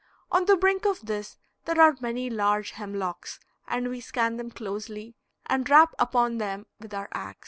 On the brink of this there are many large hemlocks, and we scan them closely and rap upon them with our ax.